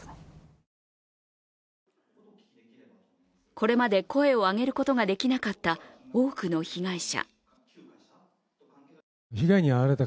これまで声を上げることができなかった多くの被害者。